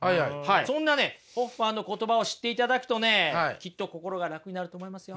そんなねホッファーの言葉を知っていただくとねきっと心が楽になると思いますよ。